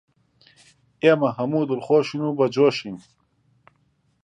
ئێمە هەموو دڵخۆشین و بەجۆشین